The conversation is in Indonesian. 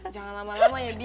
jangan lama lama ya bi